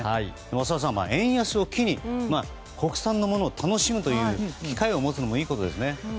浅尾さん、円安を機に国産のものを楽しむという機会を持つのもいいことですね。